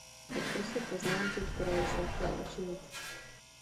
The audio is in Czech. Tak to jsou poznámky, které jsem chtěl učinit.